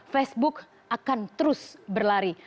facebook akan terus berlari